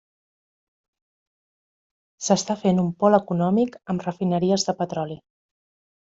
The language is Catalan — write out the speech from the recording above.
S'està fent un pol econòmic, amb refineries de petroli.